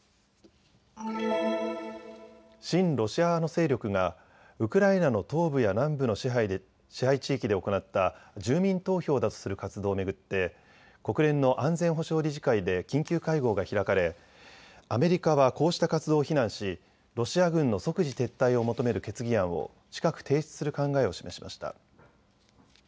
親ロシア派の勢力がウクライナの東部や南部の支配地域で行った住民投票だとする活動を巡って国連の安全保障理事会で緊急会合が開かれアメリカはこうした活動を非難しロシア軍の即時撤退を求める決議案を近く提出する考えを示しました。